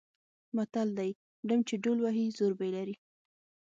متل دی: ډم چې ډول وهي زور به یې لري.